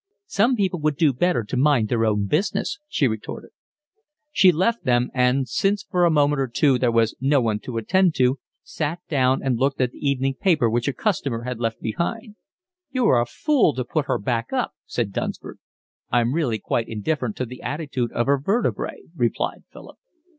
"Some people would do better to mind their own business," she retorted. She left them, and, since for a minute or two there was no one to attend to, sat down and looked at the evening paper which a customer had left behind him. "You are a fool to put her back up," said Dunsford. "I'm really quite indifferent to the attitude of her vertebrae," replied Philip.